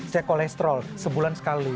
saya kolesterol sebulan sekali